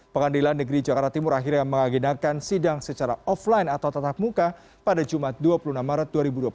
pengadilan negeri jakarta timur akhirnya mengagendakan sidang secara offline atau tatap muka pada jumat dua puluh enam maret dua ribu dua puluh tiga